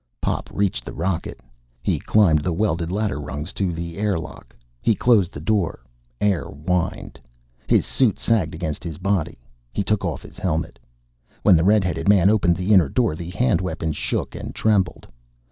Pop reached the rocket. He climbed the welded ladder rungs to the air lock. He closed the door. Air whined. His suit sagged against his body. He took off his helmet. When the red headed man opened the inner door, the hand weapon shook and trembled.